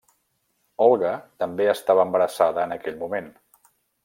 Olga també estava embarassada en aquell moment.